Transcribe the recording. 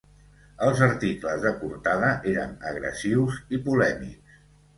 Els articles de Cortada eren agressius i polèmics.